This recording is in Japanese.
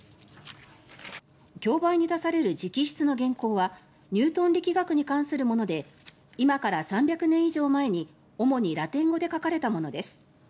競売に出される直筆の原稿はニュートン力学に関するもので今から３００年以上前に主にラテン語で書かれたものです。